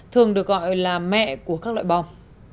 thường được gọi là mẹ của các loại bom